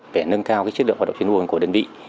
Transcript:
để nâng cao chất lượng hoạt động chuyên môn của đơn vị